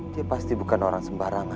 dia pasti bukan orang sembarangan